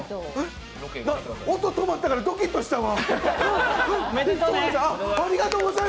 音止まったからドキっとしたわ。